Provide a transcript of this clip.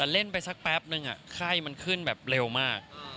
เล่นไปสักแป๊บนึงไข้มันขึ้นแบบเร็วมาก